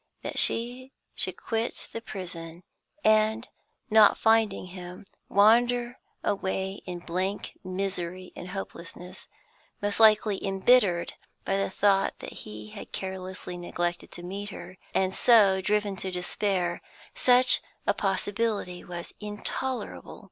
That she should quit the prison, and, not finding him, wander away in blank misery and hopelessness, most likely embittered by the thought that he had carelessly neglected to meet her, and so driven to despair such a possibility was intolerable.